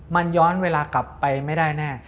มันย้อนเวลากลับไปไม่ได้แน่